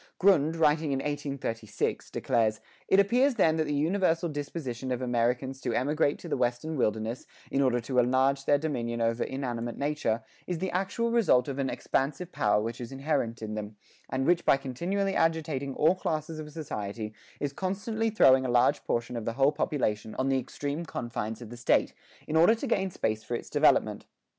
Grund, writing in 1836, declares: "It appears then that the universal disposition of Americans to emigrate to the western wilderness, in order to enlarge their dominion over inanimate nature, is the actual result of an expansive power which is inherent in them, and which by continually agitating all classes of society is constantly throwing a large portion of the whole population on the extreme confines of the State, in order to gain space for its development.